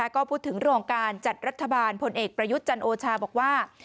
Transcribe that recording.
ก็พูดถึงเรื่องของการจัดรัฐบาลพลเอกประยุทธ์จันโอชาบอกว่า